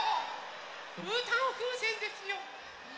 うーたんふうせんですよ！